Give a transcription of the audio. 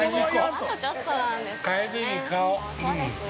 ◆あとちょっとなんですけどね。